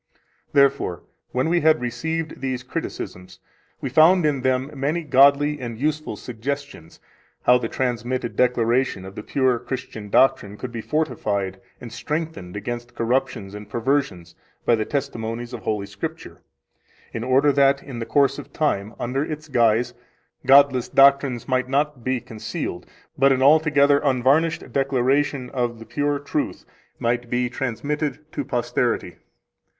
13 Therefore, when we had received these criticisms, we found in them many godly and useful suggestions how the transmitted declaration of the pure Christian doctrine could be fortified and strengthened against corruptions and perversions by the testimonies of Holy Scripture, in order that in the course of time, under its guise, godless doctrines might not be concealed, but an altogether unvarnished declaration of the pure truth might be transmitted to posterity.